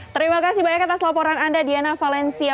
terima kasih banyak atas laporan anda diana valencia